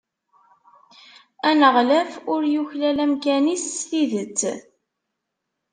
Aneɣlaf ur yuklal amkan-is s tidet.